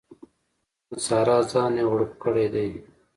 نن سارا ځان یو غړوپ کړی دی.